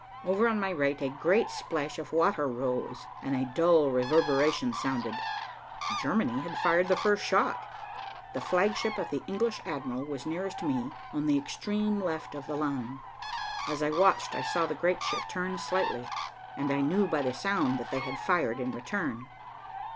Over on my right a great splash of water rose, and a dull reverberation sounded. Germany had fired the first shot. The flagship of the English admiral was nearest me, on the extreme left of the line. As I watched, I saw the great ship turn slightly, and I knew by the sound that they had fired in return.